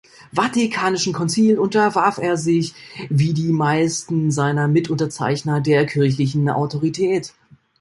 Vatikanischen Konzil unterwarf er sich wie die meisten seiner Mitunterzeichner der kirchlichen Autorität.